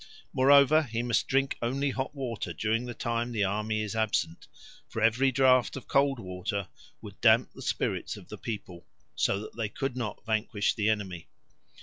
Moreover, he must drink only hot water during the time the army is absent; for every draught of cold water would damp the spirits of the people, so that they could not vanquish the enemy.